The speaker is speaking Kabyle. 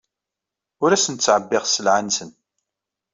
Ur asen-ttɛebbiɣ sselɛa-nsen.